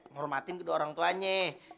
ngorotin kedua orang tuanya